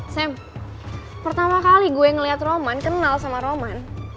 saya pertama kali gue ngeliat roman kenal sama roman